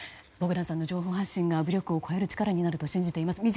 ボグダンさんの情報発信が武力を超える力になると信じています。